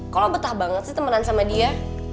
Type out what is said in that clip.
kalau betah banget sih temanan sama dia